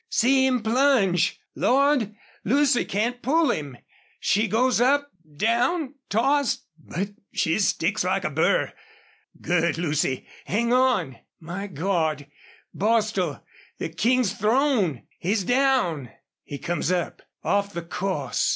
See him plunge! Lord! Lucy can't pull him! She goes up down tossed but she sticks like a burr. Good, Lucy! Hang on! ... My Gawd, Bostil, the King's thrown! He's down! ... He comes up, off the course.